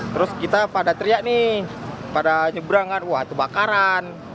terus kita pada teriak nih pada nyebrang kan wah itu kebakaran